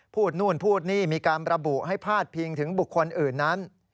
พูดนู่นพูดนี่มีการระบุให้พาดพิงถึงบุคคลอื่นนั้น